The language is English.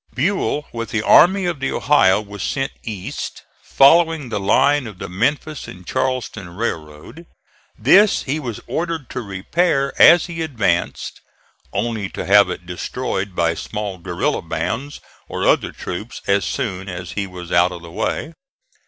Buell with the Army of the Ohio was sent east, following the line of the Memphis and Charleston railroad. This he was ordered to repair as he advanced only to have it destroyed by small guerilla bands or other troops as soon as he was out of the way.